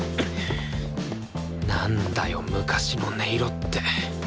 なんだよ昔の音色って。